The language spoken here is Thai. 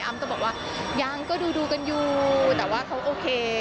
อ้าวต้องบอกว่ายังก็ดูกันอยู่แต่ว่าเขาโอเค